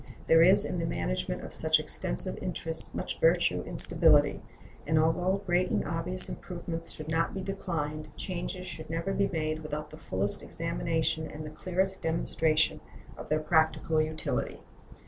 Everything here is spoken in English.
There is in the management of such extensive interests much virtue in stability; and although great and obvious improvements should not be declined, changes should never be made without the fullest examination and the clearest demonstration of their practical utility.